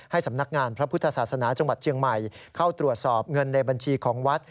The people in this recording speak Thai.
สำนักงานพระพุทธศาสนาจังหวัดเชียงใหม่เข้าตรวจสอบเงินในบัญชีของวัด